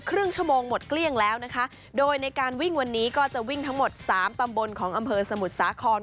ครึ่งชั่วโมงหมดเกลี้ยงแล้วนะคะโดยในการวิ่งวันนี้ก็จะวิ่งทั้งหมดสามตำบลของอำเภอสมุทรสาคร